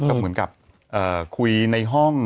ก็เหมือนกับคุยในห้อง